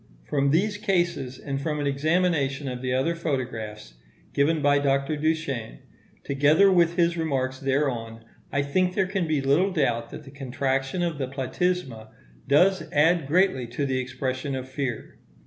From these cases, and from an examination of the other photographs given by Dr. Duchenne, together with his remarks thereon, I think there can be little doubt that the contraction of the platysma does add greatly to the expression of fear.